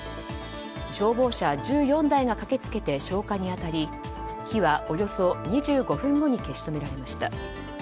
消防車１４台が駆けつけて消火に当たり火はおよそ２５分後に消し止められました。